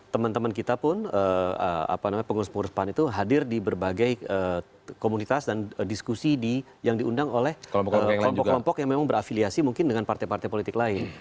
teman teman kita pun pengurus pengurus pan itu hadir di berbagai komunitas dan diskusi yang diundang oleh kelompok kelompok yang memang berafiliasi mungkin dengan partai partai politik lain